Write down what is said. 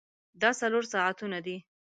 دا څلور ساعتونه دي.